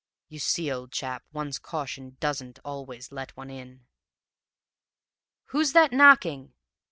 You see, old chap, one's caution doesn't always let one in! "'Who's that knocking?'